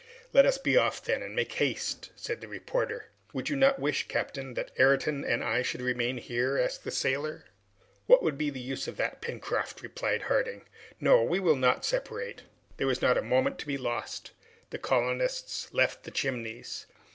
"Let us be off, then, and make haste!" said the reporter. "Would you not wish, captain, that Ayrton and I should remain here?" asked the sailor. "What would be the use of that, Pencroft?" replied Harding. "No. We will not separate!" There was not a moment to be lost. The colonists left the Chimneys.